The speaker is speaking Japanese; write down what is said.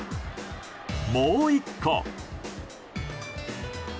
もう１個。